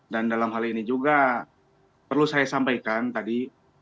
dan dalam hal ini juga perlu saya sampaikan tadi